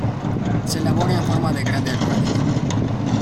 Se elabora en forma de grandes ruedas.